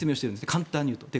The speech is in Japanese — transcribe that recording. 簡単に言うと。